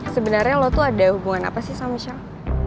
sebenarnya lo tuh ada hubungan apa sih sama chef